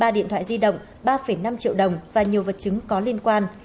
ba điện thoại di động ba năm triệu đồng và nhiều vật chứng có liên quan